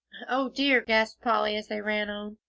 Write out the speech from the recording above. "O dear!" gasped Polly, as they ran on.